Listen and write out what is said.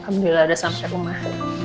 alhamdulillah udah sampai rumah